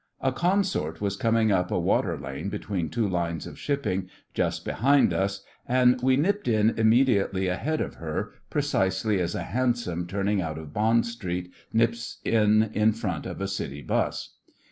A consort was coming up a waterlane, between two lines of shipping, just behind us; and we nipped in immediately ahead of her, precisely as a hansom turning out of Bond Street nips in in front of a City 'bus.